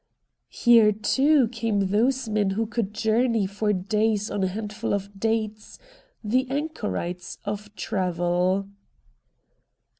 Here too came those men who could journey for days on a handful of dates, the anchorites of travel.